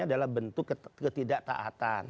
adalah bentuk ketidak taatan